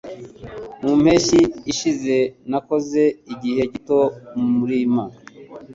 Mu mpeshyi ishize, nakoze igihe gito mu murima.